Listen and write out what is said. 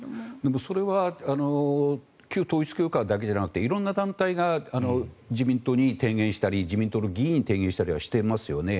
それは旧統一教会だけじゃなくて色んな団体が自民党に提言したり自民党の議員に提言したりはしていますよね。